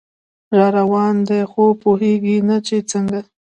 راروان دی خو پوهیږي نه چې څنګه